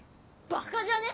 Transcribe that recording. バカじゃね？